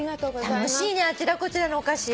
楽しいねあちらこちらのお菓子。